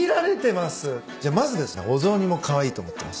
じゃあまずですねお雑煮もカワイイと思ってます。